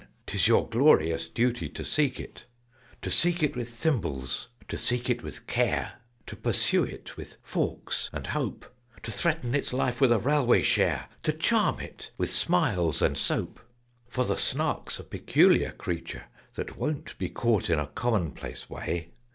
'Tis your glorious duty to seek it! "To seek it with thimbles, to seek it with care; To pursue it with forks and hope; To threaten its life with a railway share; To charm it with smiles and soap! [Illustration: "TO PURSUE IT WITH FORKS AND HOPE."] "For the Snark's a peculiar creature, that won't Be caught in a commonplace way.